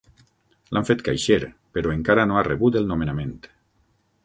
L'han fet caixer, però encara no ha rebut el nomenament.